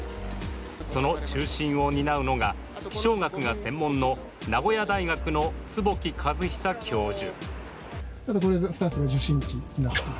その中心を担うのが気象学が専門の名古屋大学の坪木和久教授。